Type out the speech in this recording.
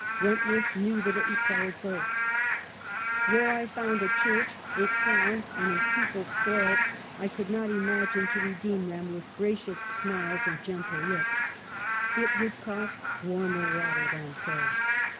Wentworth knew that it required both. "Where I found a church, a crown, and a people spoiled, I could not imagine to redeem them with gracious smiles and gentle looks. It would cost warmer water than so."